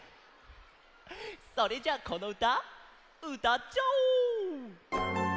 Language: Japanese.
それじゃこのうたうたっちゃおう！